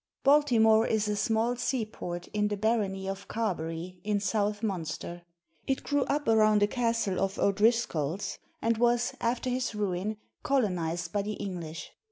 [Baltimore is a small seaport in the barony of Carbery, in South Munster. It grew up around a castle of O'Driscoll's, and was, after his ruin, colonized by the English.